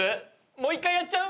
もう一回やっちゃう？